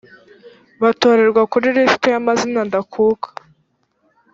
batorerwa kuri lisiti y amazina ndakuka